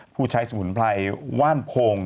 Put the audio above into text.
ผู้ใช้สมุนไพรว่านโพง